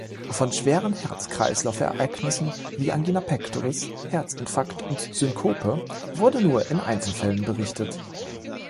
Von schweren Herz-Kreislaufereignissen, wie Angina Pectoris, Herzinfarkt und Synkope, wurde nur in Einzelfällen berichtet.